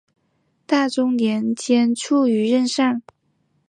大中年间卒于任上。